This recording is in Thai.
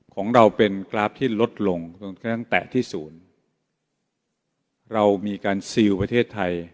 ของเราเป็นกราฟที่ลดลงจนกระทั่งแต่ที่ศูนย์เรามีการซีลประเทศไทย